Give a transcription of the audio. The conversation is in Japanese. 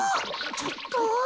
ちょっと。